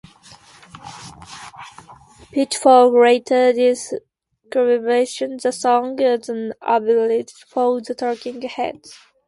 "Pitchfork" later described the song as "an aberration for the Talking Heads.